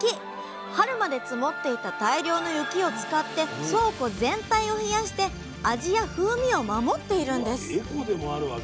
春まで積もっていた大量の雪を使って倉庫全体を冷やして味や風味を守っているんですわっ